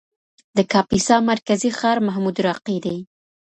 د کاپیسا مرکزي ښار محمودراقي دی.